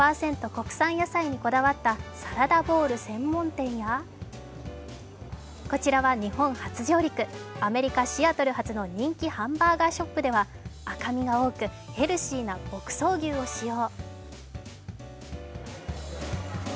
国産野菜にこだわったサラダボウル専門店やこちらは日本初上陸、アメリカ・シアトル発の人気ハンバーガーショップでは赤身が多くヘルシーな牧草牛を使用。